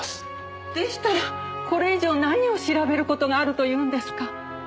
でしたらこれ以上何を調べる事があるというんですか？